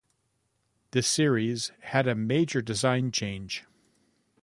This series had a major design change.